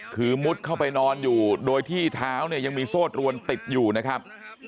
คือมุดเข้าไปนอนอยู่โดยที่เท้าเนี่ยยังมีโซ่ตรวนติดอยู่นะครับ